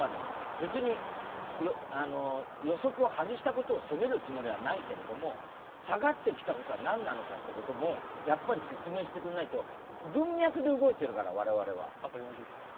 別に予測を外したことを責めるつもりはないけれど下がってきたことはなんなのかってことも説明してくれないと文脈で動いているから、我々は。